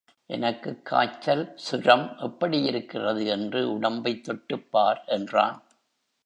எனக்குக் காய்ச்சல், சுரம் எப்படியிருக்கிறது என்று உடம்பைத் தொட்டுப் பார் என்றான்.